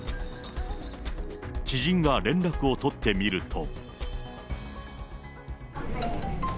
知人が連絡を取ってみると。